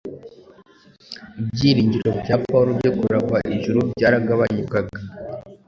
Ibyiringiro bya Pawulo byo kuragwa ijuru byaragabanyukaga